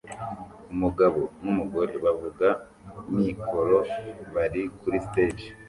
Umugabo numugore bavuga mikoro bari kuri stage